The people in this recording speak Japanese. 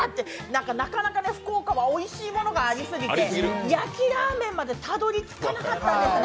なかなか福岡はおいしいものがありすぎて、焼ラーメンまでたどり着けなかったんですね。